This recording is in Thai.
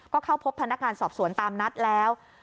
ก็เข้าพบพนักงานสอบสวนตามนัดแล้ว